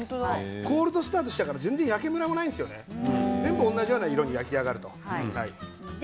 コールドスタートしたから焼きムラもないんですよね、全部同じような色に焼き上がると。